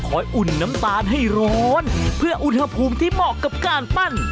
อุ่นน้ำตาลให้ร้อนเพื่ออุณหภูมิที่เหมาะกับการปั้น